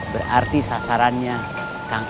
berarti dia udah bisa jual tanah